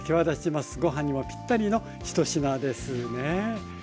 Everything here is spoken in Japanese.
ご飯にもぴったりの１品ですね。